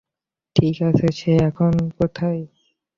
ঠিক আছে, সে এখন কোথায়?